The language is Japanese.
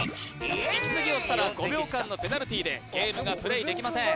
息継ぎをしたら５秒間のペナルティでゲームがプレーできません